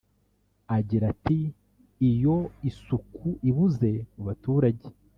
Agira ati “Iyo isuku ibuze mu baturage